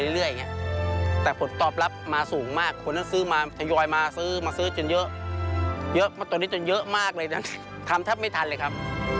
เยอะตอนนี้จนเยอะมากเลยทำทับไม่ทันเลยครับ